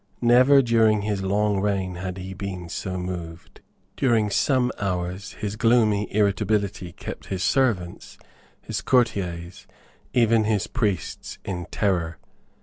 Never during his long reign had he been so moved. During some hours his gloomy irritability kept his servants, his courtiers, even his priests, in terror.